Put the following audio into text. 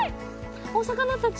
お魚たち。